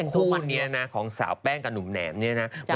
คู่นี้นะของสาวแป้งกับหนุ่มแหนม